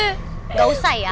nggak usah ya